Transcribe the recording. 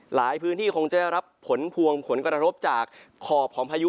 หลายพื้นที่คงจะได้รับผลพวงผลกระทบจากขอบของพายุ